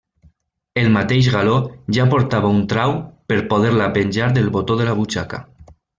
El mateix galó ja portava un trau per poder-la penjar del botó de la butxaca.